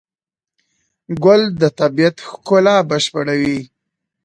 ګل د طبیعت ښکلا بشپړوي.